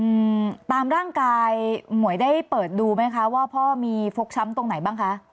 อืมตามร่างกายหมวยได้เปิดดูไหมคะว่าพ่อมีฟกช้ำตรงไหนบ้างคะ